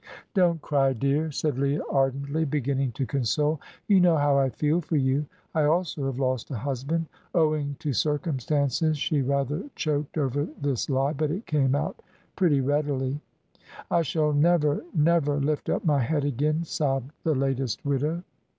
"Don't cry, dear," said Leah, ardently, beginning to console; "you know how I feel for you. I also have lost a husband." Owing to circumstances she rather choked over this lie, but it came out pretty readily. "I shall never never lift up my head again," sobbed the latest widow.